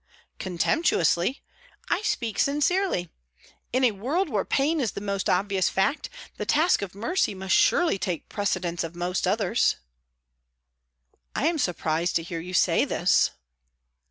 "Contemptuously? I speak sincerely. In a world where pain is the most obvious fact, the task of mercy must surely take precedence of most others." "I am surprised to hear you say this."